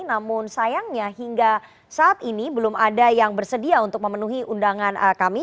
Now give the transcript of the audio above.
namun sayangnya hingga saat ini belum ada yang bersedia untuk memenuhi undangan kami